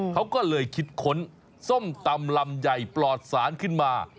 เขาก็เลยคิดค้นส้มตำลำใหญ่ปลอดสารขึ้นมา